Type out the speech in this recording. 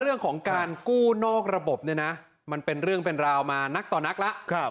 เรื่องของการกู้นอกระบบเนี่ยนะมันเป็นเรื่องเป็นราวมานักต่อนักแล้ว